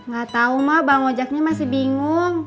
gak tau emak bang ojaknya masih bingung